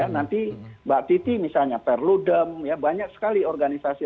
nanti mbak titi misalnya perludem ya banyak sekali organisasi